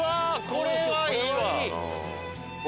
これはいいわ。